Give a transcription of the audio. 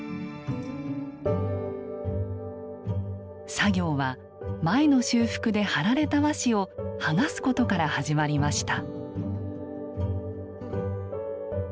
作業は前の修復で貼られた和紙を剥がすことから始まりました。